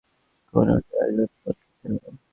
কোন উটে আসবাবপত্রও ছিল।